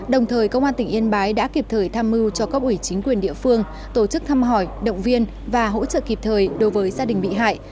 đồng thời công an tỉnh yên bái đã kịp thời tham mưu cho cấp ủy chính quyền địa phương tổ chức thăm hỏi động viên và hỗ trợ kịp thời đối với gia đình bị hại